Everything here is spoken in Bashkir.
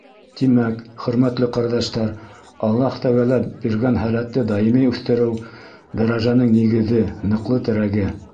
Тимәк, хөрмәтле ҡәрҙәштәр, Аллаһ Тәғәлә биргән һәләтте даими үҫтереү — дәрәжәнең нигеҙе, ныҡлы терәге.